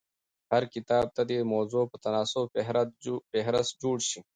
هر کتاب ته دي د موضوع په تناسب فهرست جوړ سي.